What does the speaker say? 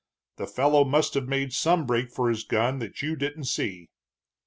The fellow must have made some break for his gun that you didn't see."